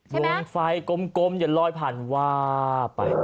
วนไฟกลมอย่าลอยผ่านวาไป